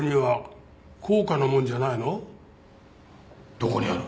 どこにある？